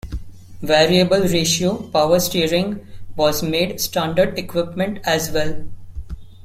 Variable-ratio power steering was made standard equipment as well.